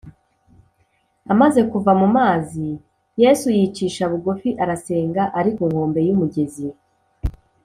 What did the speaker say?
Amaze kuva mu mazi, Yesu yicisha bugufi arasenga ari ku nkombe y’umugezi.